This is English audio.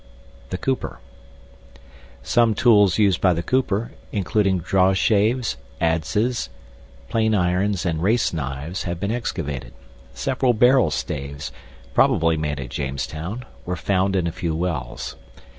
THE COOPER Some tools used by the cooper, including draw shaves, adzes, plane irons, and race knives, have been excavated. Several barrel staves probably made at Jamestown were found in a few wells.